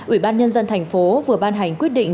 ủy ban nhân dân thành phố vừa ban hành quyết định